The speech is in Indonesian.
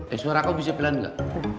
eh suara kau bisa pelan gak